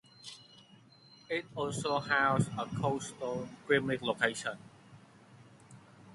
It also houses a Cold Stone Creamery location.